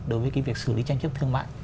đối với cái việc xử lý tranh chấp thương mại